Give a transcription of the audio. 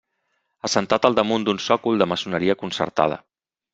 Assentat al damunt d'un sòcol de maçoneria concertada.